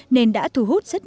nên đã thu hút rất nhiều người